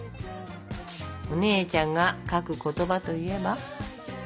お姉ちゃんが書く言葉といえば？